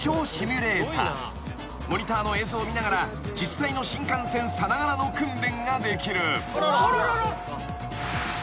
［モニターの映像を見ながら実際の新幹線さながらの訓練ができる］